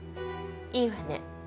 いいわね。